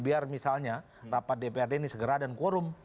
biar misalnya rapat dprd ini segera dan quorum